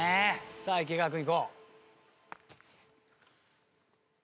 さあ池川君いこう。